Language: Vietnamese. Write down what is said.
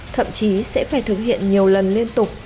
thậm chí sẽ phải thực hiện nhiều lần liên tục